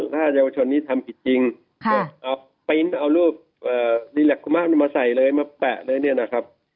ถ้าเยาวชนนี้ทำผิดจริงเอารูปดีลักษณ์คุมะมาใส่มาแปะเลยนะครับ